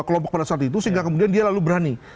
kelompok pada saat itu sehingga kemudian dia lalu berani